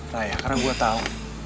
ray karena gue tau